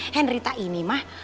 hendrita ini mah